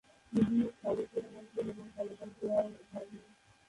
Duke সাবেক প্রধানমন্ত্রী বেগম খালেদা জিয়ার ভাগ্নে।